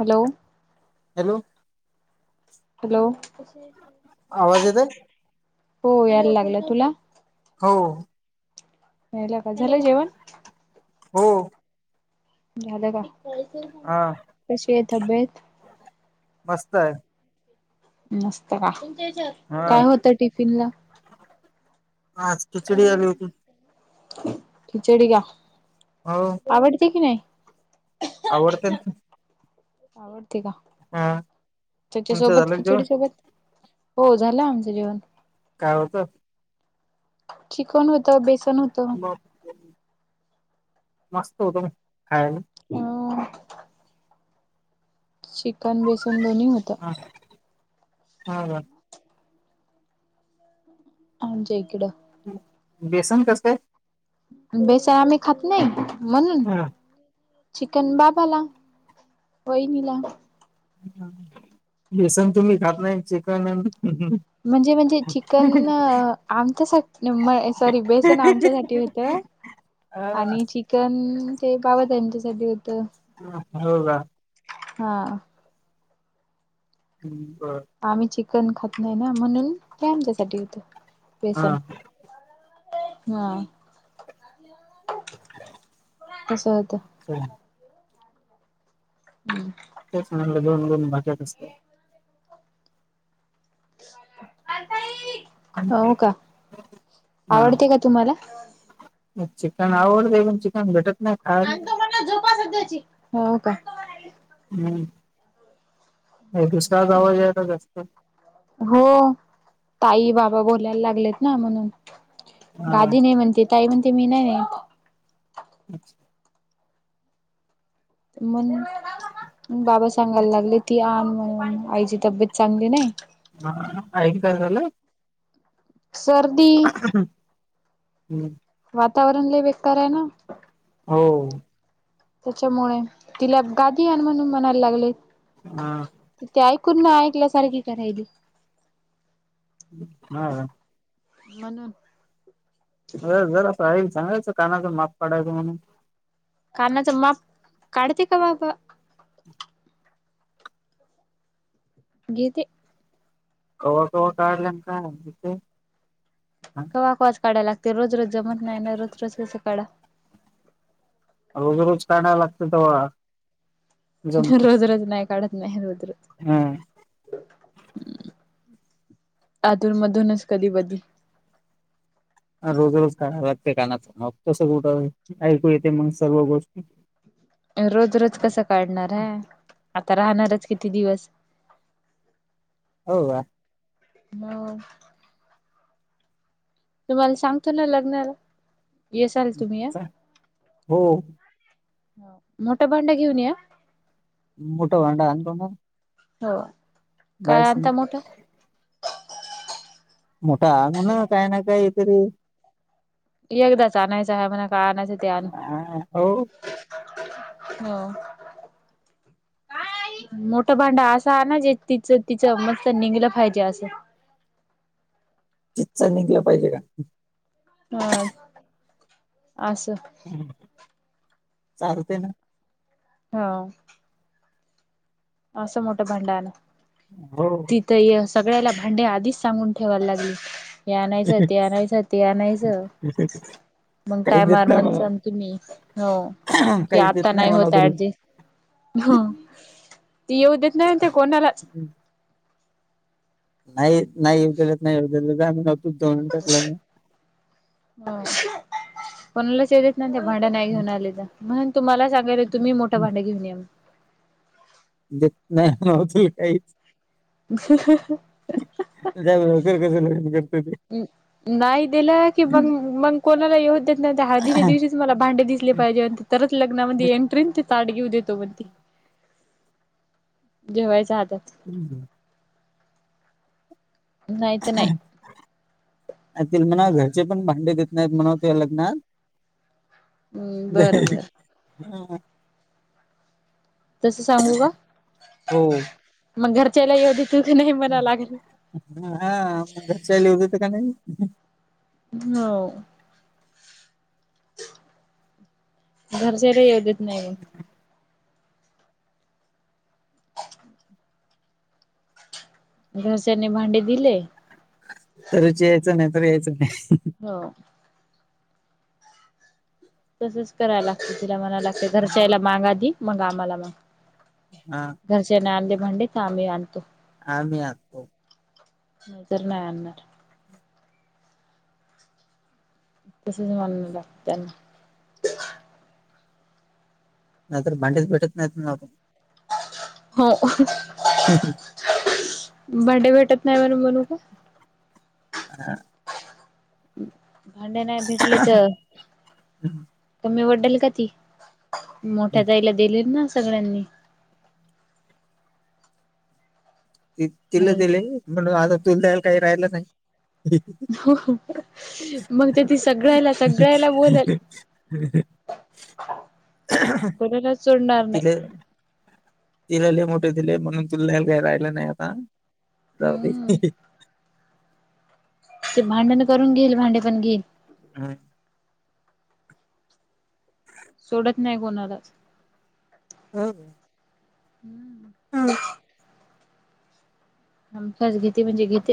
Hello! Hello! Hello! आवाज येतय. हो यायला लागलाय. तुला? हो. यायलाय का? झालं जेवण? हो. झालं का? हा कशी आहे तब्येत? मस्त आहे. मस्त का? हा काय होतं टिफिन ला? आज खिचडी आली होती. खिचडी का? हो. आवडते की नाही? आवडते ना. आवडते का? हा. तुमचं त्याच्यासोबत झालं का जेवण? खिचडी सोबत? हो झालं आमचं जेवण. काय होतं? चिकन होतं. बेसन होत. म मस्त होत म खायाला. अ चिकन बेसन दोन्ही होतं. हां. हा का? आमच्या इकड. बेसन कस काय? बेसाय आम्ही खात नाही म्हणून हा - चिकन बाबाला वहिनीला. बेसन तुम्ही खात नाही. चिकन म्हणजे म्हणजे चिकन आमच्यासाठी नाही म - - सॉरी बेसन आमच्यासाठी होत. आणि चि चिकन ते बाबा त्यांच्यासाठी होतं. हो का? हा. हम्म बरं. आम्ही चिकन खात नाही ना म्हणून ते आमच्यासाठी होेत. हा बेसन हा तसं होत. [unintelligible] हम्म तेच म्हणलं दोन दोन भाज्या कसकाय? आता येईल. हा आवडते का तुम्हाला चिकन आवडतय पण चिकन भेटत नाही. खायला. आणतो म्हणा झोपा सध्याची हो का हम्म दुसराच आवाज यायला जास्त हो ताई बाबा बोलायला लागलेत ना म्हणून हा गादी ने म्हणते ताई म्हणते मी नाही नेत. अच्छा म्हणून बाबा सांगायला लागले ती अन म्हणून आईची तब्येत चांगली नाही हा आईला काय झालं? सर्दी हम्म वातावरण लय बेक्कार ए ना हो त्याच्यामुळे तिला गादी आण म्हणून म्हणायला लागले. हा त ती ऐकून न ऐकल्यासारखी करायली. हा का म्हणून अ जर असं आईला सांगायचं कानाच माप काढायचं म्हणून. कानाचं माप काढते का बापा घेते कवा कवा काढल्याने काय हरकत ए. कवा कवाच काढायला लागते रोज रोज जमत नाही ना रोज रोज कसं काढा. रोज रोज काढयला लागतं तव्हा रोज रोज नाही काढत मी रोज रोज हा अधून मधूनच कधी मधी. रोज रोज काढाया लागतय कानाचं मग कसं ऐकू येते सगळ्या गोष्टी रोज रोज कसं काढणार हे आता राहणारच किती दिवस हो का? हो तुम्हाला सांगतो ना लग्नाला. येसाल तुम्ही आ चा हो हो मोठ भांड घेऊन या हं मोठ भांड आणतो न. हो काय आणता मोठं? मोठं आणूना काही ना काही तरी एकदाच आणायचं आहे म्हणा काय आणायचं ते आणू हा हो हो. मोठं भांड असं आणा जे तिचं तिचं मस्त निघलं पाहिजे असं. तीच निघलं पाहिजे का? हा असं. हम्म चालते ना? हो. असं मोठं भांड आणा. हो. तिथ ही सगळ्याला भांडे आधीच सांगून ठेवाय लागली. हे आणायचं. ते आणायचं. ते आणायचं. मग काही काय देत मारमण नाही मला म्हणसान तुम्ही हो की काहीच आता देत नाही म्हणाव होत तुला ऍडजिस्ट. हम्म. ती येऊ देत नाही ते कोणाला. नाही नाही येऊ न दीलंच नाही येऊ [unintelligible] हा. कोणालाच येऊन देत नाही ती. भांडे नाही घेऊन आले तर? म्हणून तुम्हाला सांगयलोय तुम्ही मोठं भांड घेऊन या म्हणून. देत नाही [unintelligible] [inaudible] जा म्हणाव कर कस लग्न करतोय ते? नाही दिल कि मग - मग कोणाला येऊत देत नाही. ते हळदीच्या दिवशी मला भांडे दिसले पाहिजे तरच लग्नामध्ये एंट्रीन ते ताट घेऊ देतो म्हण ते जेवायच हातात. हम्म हम्म. नाही तर नाही अन् तिले म्हणाव घरचे पण भांडे देत नाहीत म्हणाव तुया लग्नात. हम् बरं बर [unintelligible] तस सांगू का? हो मग घरच्याला येऊ देतील का नाही म्हणा लागल. ह हा मग घरच्याला येऊ देता क नाही? हो. घरच्या ले येऊ देत नाही. ् [inaudible] घरच्यानी भांडे दिले. तरच यायचं. नाही तर यायचं नाही. हो. तसच करायला लागतं. तिला मला लागत घरच्याला माग आधी. मग आम्हाला माग. हा. घरच्यांन आणले भांडे तर आम्ही आणतो. आम्ही आणतो. नाही तर नाही आणणार. तसाच म्हणायला लागतं त्यांना. नाहीतर भांडेच भेटत नाहीत म्हणावं हो. हम्म हम्म. भांडे भेटत नाही म्हणून म्हणू का? हा. भांडे नाही भेटले तर? कमी वटडेल का ती. मोठ्या ताईला दिलेत ना सगळ्यांनी. ती-तिला म्हणून दिले, म्हणून आता तुला द्यायला, काही राहिलं नाही. मग तर ती सगळ्याला सगळ्याला बोलेल [inaudible] कोणालाच सोडणार नाही. तिल. [unintelligible] तिला लई मोठे दिले, म्हणून तुला द्यायला, काही राहिलं नही आता, जाऊ दे. हम्म ते भांडण करून घेईल, भांडे पण घेईल. ह्म. सोडत नाही, कोणालाच. हम्म [unintelligible] [unintelligible] हं. बस घेती, म्हणजे घेती.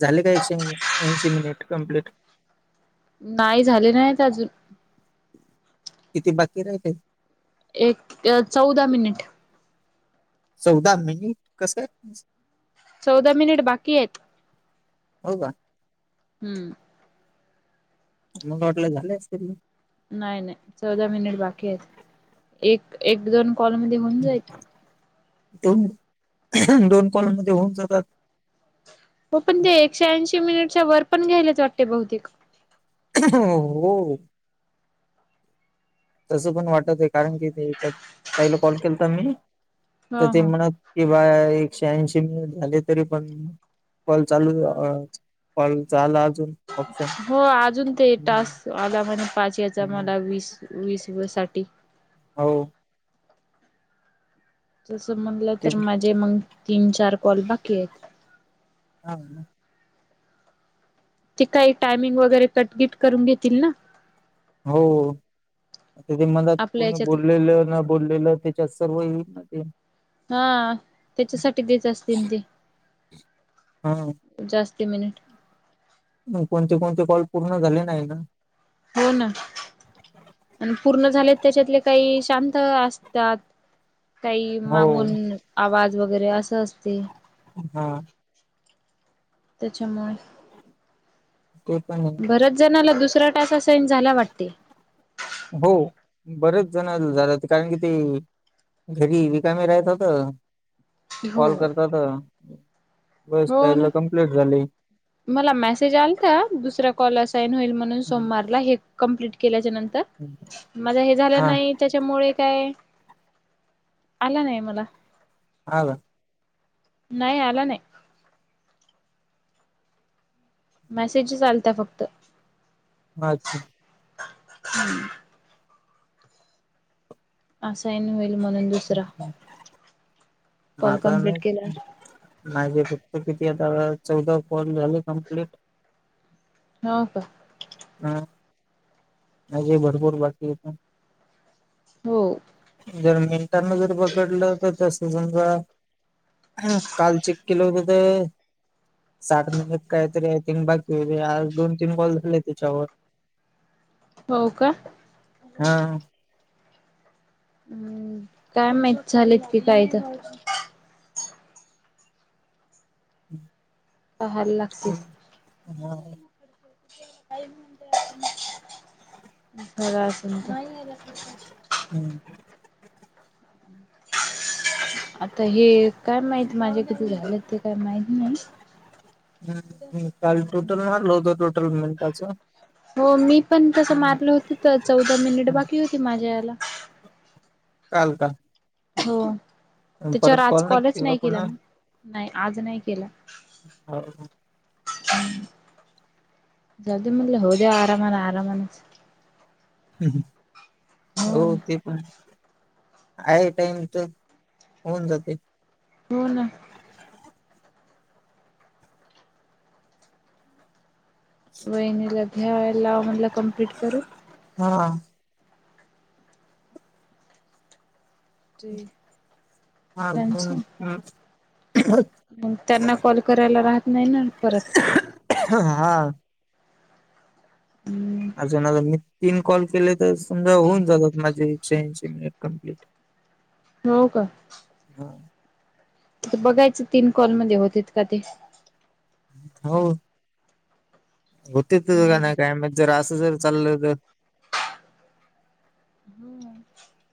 झाले का, एकशे मी, ऐंशी मिनिट कंप्लीट? नाही, झाले नाहीत, अजून. किती, बाकी राहिले? एक, अ चौदा मिनिट चौदा मिनिट, कसं चौदा मिनिट, बाकी येत. [unintelligible] हो का? ह्म. मग वाटलं झाले असतील नाय नाय, चौदा मिनिट बाकी येत, एक- एक, दोन कॉलमध्ये होऊन जाईल. दोन-दोन, कॉलमध्ये होऊन जातात. हो पण, ते एकशे- ऐंशी मिनिटच्या वर, पण घ्यायलाच जाते बहुतेक. हो हो. तसं पण वाटत ये, कारण की ते न ताईला कॉल केलता मी, तर हा ते हा. म्हणत किंवा एक- ऐंशी मिनिट झाले, तरी पण कॉल चालू हा. कॉल झाला, अजून. ऑप्शन हो, अजून ते हम्म टास्क, आला मला, पाच याचा, मला वीस वीस व साठी हो. तसं म्हनलं, ते तर माझे मग, तीन चार कॉल बाकी येत. हा. ते काही टायमिंग वगैरे, कटबीट करून, घेतील ना? हो, तेने मला, आपल्या कोणी याच्यात बोललेलं ना बोललेलं, त्याच्यात सर्व हां, त्याच्यासाठी द्यायच असतील, ते. हा. जास्ती मिनिट म कोणते-कोणते कॉल, पूर्ण झाले नाही ना होना. अन, पूर्ण झाले, त्याच्यातले काही, शांत असतात. काही, हो मांगून आवाज वगैरे, असं असते. हा [unintelligible] [unintelligible] त्याच्यामुळे ते पण आहे. बऱ्याच जनाला दुसरा टास असाईन झाला वाटते. हो बरेच जनाला झाला कारण की ते? घरी रिकामे राहंतात होत हो. कॉल करतात. बस हो ना. त्यायला कम्प्लीट झालये. मला मेसेज आलथा, दुसऱ्या कॉल आसाईन होईल म्हणून हम्म, सोमवारला हे कंप्लीट केल्याच्या नंतर. हम्म. माझा हे झालं हा नाही त्याच्यामुळे काय आला नाही मला. हा का! नाही आला नाही. मेसेजचं आलता फक्त. अच्छा! [unintelligible] असाइन होईल म्हणून दुसरा. कॉल माझा कंप्लीट नाहीत. केल्यावर माझे फक्त किती आता चौदा कॉल झाले कम्प्लेट. हो का! हा! माजे भरपूर बाकी हेत ना. हो! जर मिनटांन जर पकडलं तर तस समजा. हा काल चेक केल होत. साठ मिनिट कायतरी आहे तीन बाकी होते आज दोन तीन कॉल झाले त्याच्यावर. [inaudible] हो का! हा! हूं काय माहीत झालेत की काय त. [inaudible] पाहाल लागते. हम्म [unintelligible] काय म्हणत्या तुम्ही [unintelligible] हूं! [inaudible] आता हे काय माहित माझे किती झालं ते काय माहित नाही. हूं हूं काल टोटल मारल व्हतं टोटल मिनटाचं. हो मी पण तसं मारलं होत त चौदा मिनिट बाकी होती माझ्या याला. काल का? हो त्याच्यावर परत आज कॉल कॉलच नाही केला पुन्हा मी नाही आज नाही केला. [unintelligible] हूं जाऊ दया म्हनंल होऊं दया आरामान आरामान. हूं हूं हो ते पण. आहे टाईम त होऊन जाते. हो ना. वहिणीला घ्यायलामणलां कप्लीट करू. हा! [inaudible] त्यांचं [unintelligible] मग त्यांना कॉल करायला राहत नाही ना परत? हा. हम्म अजून अजून मी तीन कॉल केले तर समजा होऊन जातात माझे एकशे ऐंशी मिनिट कम्प्लीट. हो का? हा. आता बघायचं. तीन कॉलमध्ये होतेत का ते. हो. होतेत काय नाही माहीत? जरा अस जर चालल तर. [inaudible]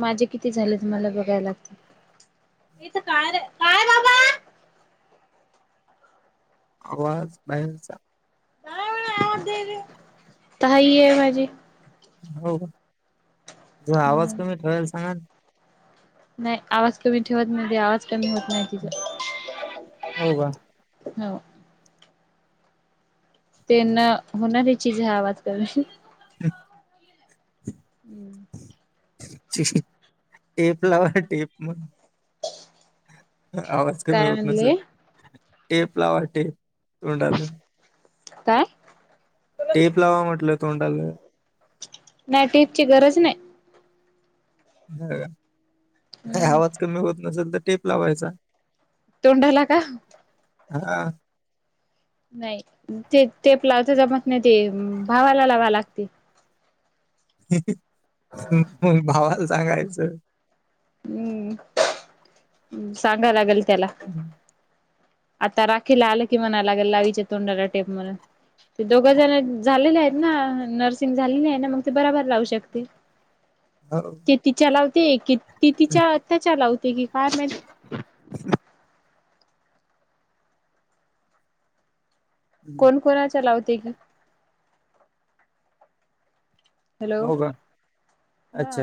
माझे किती झालेत? मला बघाय लागतील. हिथ काय रे? काय बाबा? आवाज बहेरचा. [unintelligible] ताई आहे माझी. हो का? ज आवाज हो कमी ठेवाल सांगा ना. नाही आवाज कमी ठेवत नाही ती. आवाज कमी होत नाही तिचा. हो का? हो. ती न होणारी चीजाय आवाज कमी. हम्म. हम्म. टेप लावा. टेप मग. आवाज कमी काय होत नसेल म्हणले तर. टेप लावा टेप तोंडाला. काय? टेप लावा म्हटलं तोंडाला. नाही टेपची गरज नाही. ह नाही हम्म आवाज कमी होत नसेल तर? टेप लावायचा. तोंडाला का? हा. नाही ते टेप लावाच जमत नाही. ते भावाला लावा ला लागते. म भावाला सांगायचं. हम्म सांगाय लागल त्याला. [inaudible] आता राखीला आलं की म्हणाय लागेल लावीच्या तोंडाला टेप म्हणून. ते दोघ जण झालेले आहेत ना? नर्सिंग झालेले आहे ना? मग ते बराबर लावू शकते. हो. ते तिच्या लावते. क ती तिच्या अत्याच्या लावते की काय माहित? हम. कोण कोणाच्या लावते की. हॅलो! हो का हा. अच्छा.